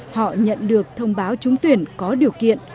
họ nhận được thông báo trúng tuyển có điều kiện